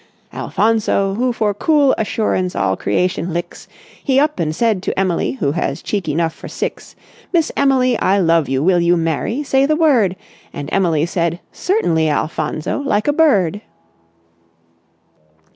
"Alphonso, who for cool assurance all creation licks, He up and said to Emily who has cheek enough for six: 'Miss Emily, I love you. Will you marry? Say the word!' And Emily said: 'Certainly, Alphonso, like a bird!